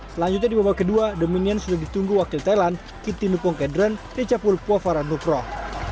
selanjutnya di babak kedua dominion sudah ditunggu wakil thailand kittinupong kedren dicapulpo faraduproh